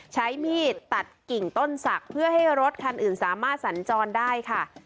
ใช้มีดตัดกิ่งต้นศักดิ์เพื่อให้รถคันอื่นสามารถสัญจรได้ค่ะ